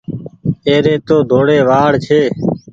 اي ري تو ڌوڙي وآڙ ڇي۔